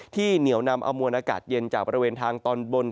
เหนียวนำเอามวลอากาศเย็นจากบริเวณทางตอนบน